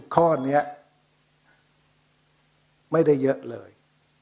ข้อนี้ไม่ได้เยอะเลย